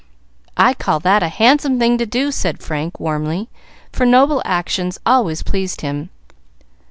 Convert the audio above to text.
"I call that a handsome thing to do!" said Frank, warmly, for noble actions always pleased him.